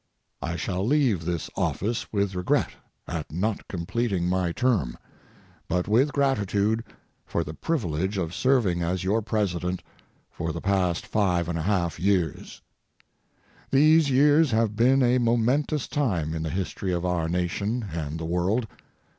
I shall leave this office with regret at not completing my term, but with gratitude for the privilege of serving as your President for the past 5 1/2 years. These years have been a momentous time in the history of our Nation and the world.